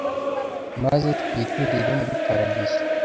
Maze twiturire muri paradizo>>.